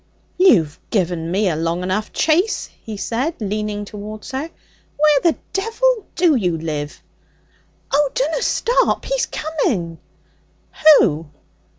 'You've given me a long enough chase,' he said, leaning towards her. 'Where the devil do you live?' 'Oh, dunna stop! He's coming.' 'Who?'